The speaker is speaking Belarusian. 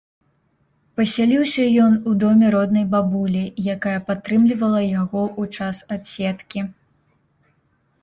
Пасяліўся ён у доме роднай бабулі, якая падтрымлівала яго ў час адседкі.